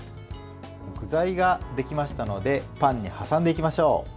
具材ができましたのでパンに挟んでいきましょう。